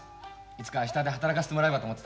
いつか下で働かせてもらえればと思ってた。